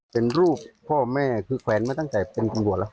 เป็นรูปพ่อแม่คือแขวนมาตั้งแต่เป็นตำรวจแล้ว